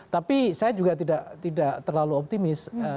tapi saya juga tidak terlalu optimis